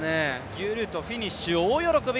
ギュルトがフィニッシュ、大喜び。